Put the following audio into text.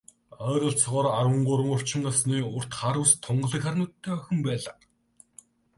Ойролцоогоор арван гурав орчим насны, урт хар үс, тунгалаг саарал нүдтэй охин байлаа.